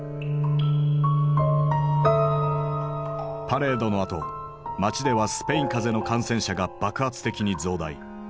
パレードのあと街ではスペイン風邪の感染者が爆発的に増大。